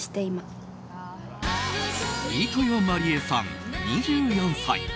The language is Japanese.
飯豊まりえさん、２４歳。